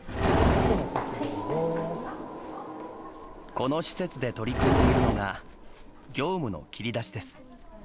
この施設で取り組んでいるのが業務の切り出しです。